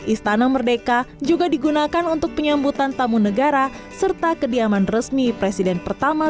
istana merdeka juga digunakan untuk penyambutan tamu negara serta kediaman resmi presiden pertama